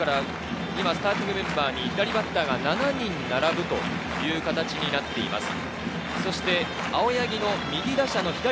今、スタメンに左バッターが７人並ぶという形になっています。